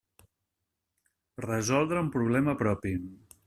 Resoldre un problema propi.